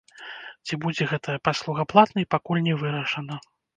Ці будзе гэтая паслуга платнай, пакуль не вырашана.